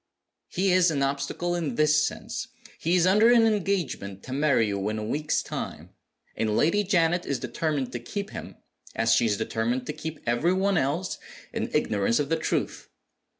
"He is an obstacle in this sense. He is under an engagement to marry you in a week's time; and Lady Janet is determined to keep him (as she is determined to keep every one else) in ignorance of the truth.